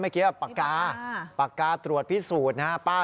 เมื่อกี้ปากกาตรวจพิสูจน์นะฮะมีปากกา